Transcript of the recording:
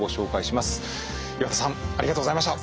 岩田さんありがとうございました。